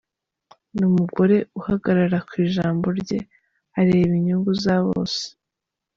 Ni umugore uhagarara ku ijambo rye, areba inyungu za bose.